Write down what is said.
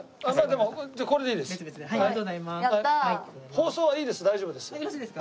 包装はいいです。